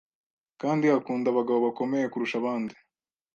kandi akunda abagabo bakomeye kurusha abandi